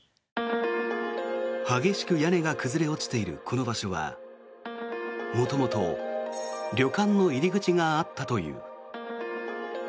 激しく屋根が崩れ落ちているこの場所は元々旅館の入り口があったという。